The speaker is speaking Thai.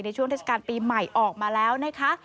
ช่วงเทศกาลปีใหม่ออกมาแล้วนะคะ